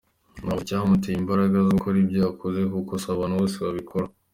Nanamubaza icyamuteye imbaraga zo gukora ibyo yakoze kuko si abantu bose babikora.